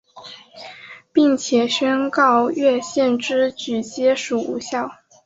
并且宣告越线之举皆属无效。